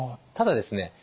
ただですね